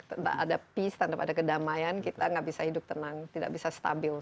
tentang ada peace ada kedamaian kita gak bisa hidup tenang tidak bisa stabil